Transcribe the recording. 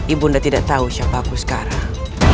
ibu anda tidak tahu siapa aku sekarang